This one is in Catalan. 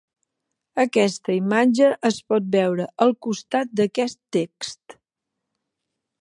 Aquesta imatge es pot veure al costat d'aquest text.